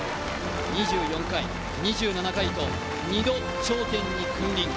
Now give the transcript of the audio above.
２４回、２７回と、２度頂点に君臨。